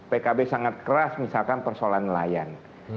pkb sangat keras misalkan persoalan nelayan